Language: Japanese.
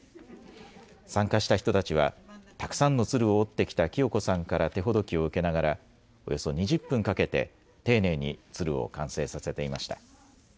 参加した人たちは、たくさんの鶴を折ってきた貴代子さんから手ほどきを受けながら、およそ２０分かけて丁寧に鶴を完成させていました。